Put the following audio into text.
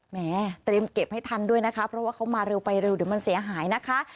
แหมเตรียมเก็บให้ทันด้วยนะคะเพราะว่าเขามาเร็วไปเร็วเดี๋ยวมันเสียหายนะคะ